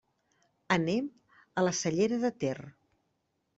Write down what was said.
Anem a la Cellera de Ter.